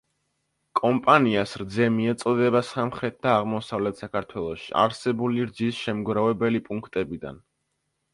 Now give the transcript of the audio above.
კომპანიას რძე მიეწოდება სამხრეთ და აღმოსავლეთ საქართველოში არსებული რძის შემგროვებელი პუნქტებიდან.